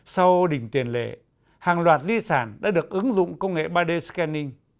sau đỉnh tiền lệ hàng loạt di sản đã được ứng dụng công nghệ ba d scanning